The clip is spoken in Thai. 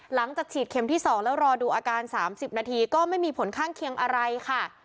หลังจากฉีดเข็มที่๒แล้วรอดูอาการ๓๐นาทีก็ไม่มีผลข้างเคียงอะไรค่ะ